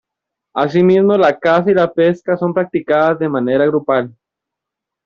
Asimismo la caza y la pesca son practicadas de manera grupal.